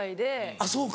あっそうか。